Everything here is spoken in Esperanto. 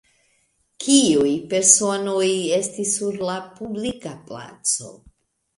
Kiuj personoj estis sur la publika placo?